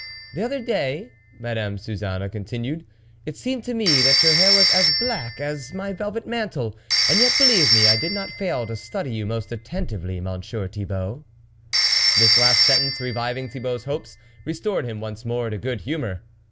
" The other day," continued Madame Suzanne, " it seemed to me that your hair was as black as my velvet mantle, and 6 4 THE WOLF LEADER yet, believe me, I did not fail to study you most attentively, Monsieur Thibault." This last sentence, reviving Thibault's hopes, restored him once more to good humour.